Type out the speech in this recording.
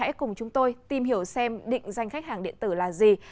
hãy cùng chúng tôi tìm hiểu xem định danh khách hàng điện tử là gì